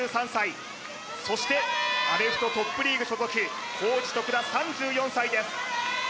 ２３歳そしてアメフトトップリーグ所属コージ・トクダ３４歳です